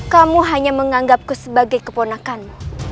kamu hanya menganggapku sebagai keponakanmu